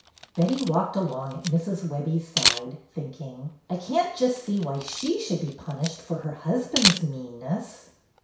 Betty walked along at Mrs. Webbie's side, thinking : "I can't just see why she should be punished for her husband's meanness."